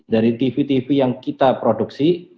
dari tv tv yang kita produksi